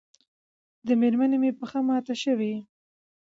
د مېرمنې مې پښه ماته شوې